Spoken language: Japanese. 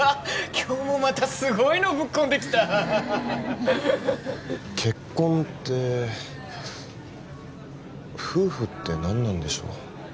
今日もまたすごいのぶっ込んできた結婚って夫婦って何なんでしょう？